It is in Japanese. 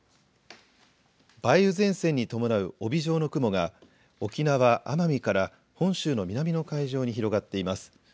梅雨前線に伴う帯状の雲が沖縄、奄美から本州の南の海上に広がっています。